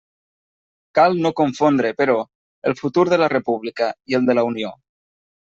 Cal no confondre, però, el futur de la república i el de la Unió.